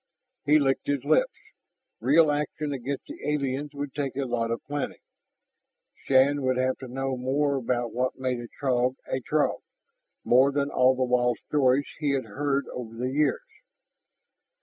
He licked his lips. Real action against the aliens would take a lot of planning. Shann would have to know more about what made a Throg a Throg, more than all the wild stories he had heard over the years.